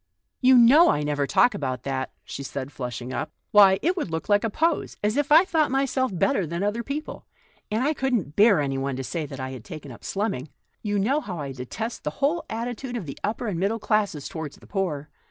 " You know I never talk about that," she said, flushing up. " Why, it would look like a pose — as if I thought myself better than other people. And I couldn't bear anyone to say that I had l taken up slumming.' You know how I detest the whole attitude of the upper and middle classes toward the poor.